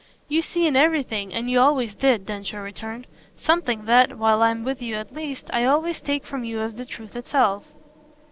"You see in everything, and you always did," Densher returned, "something that, while I'm with you at least, I always take from you as the truth itself."